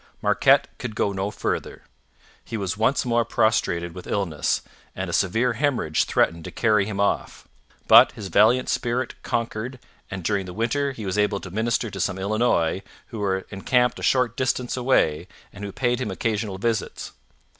Marquette could go no farther; he was once more prostrated with illness, and a severe hemorrhage threatened to carry him off. But his valiant spirit conquered, and during the winter he was able to minister to some Illinois, who were encamped a short distance away and who paid him occasional visits.